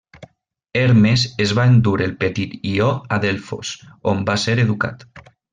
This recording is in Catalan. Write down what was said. Hermes es va endur el petit Ió a Delfos on va ser educat.